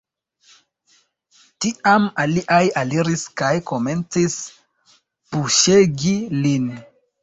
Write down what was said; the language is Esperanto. Tiam aliaj aliris kaj komencis puŝegi lin.